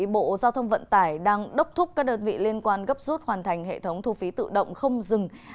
bộ giao thông vận tải đang đốc thúc các đợt vị liên quan gấp rút hoàn thành hệ thống thu phí tự động không dừng